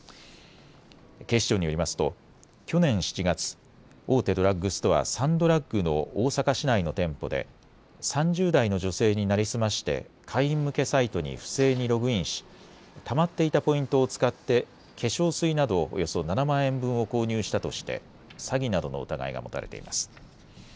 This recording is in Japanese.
警視庁によりますと去年７月、大手ドラッグストア、サンドラッグの大阪市内の店舗で３０代の女性に成り済まして会員向けサイトに不正にログインし、たまっていたポイントを使って化粧水などおよそ７万円分を購入したとして詐欺などの疑いが持たれています。